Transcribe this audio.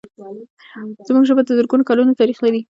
زموږ ژبه د زرګونو کلونو تاریخ لري.